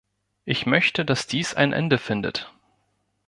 Ich möchte, dass dies ein Ende findet.